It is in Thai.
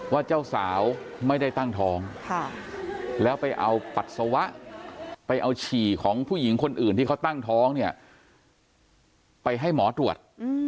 เจ้าสาวไม่ได้ตั้งท้องแล้วไปเอาปัสสาวะไปเอาฉี่ของผู้หญิงคนอื่นที่เขาตั้งท้องเนี่ยไปให้หมอตรวจ